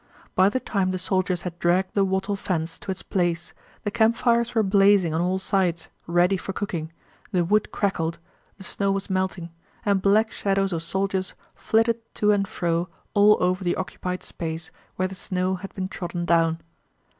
By the time the soldiers had dragged the wattle fence to its place the campfires were blazing on all sides ready for cooking, the wood crackled, the snow was melting, and black shadows of soldiers flitted to and fro all over the occupied space where the snow had been trodden down.